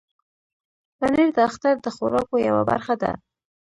پنېر د اختر د خوراکو یوه برخه ده.